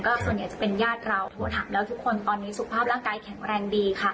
ส่วนใหญ่จะเป็นญาติเราโทรถามแล้วทุกคนตอนนี้สุขภาพร่างกายแข็งแรงดีค่ะ